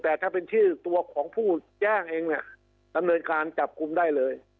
แต่ถ้าเป็นชื่อตัวของผู้แจ้งเองเนี่ยดำเนินการจับกลุ่มได้เลย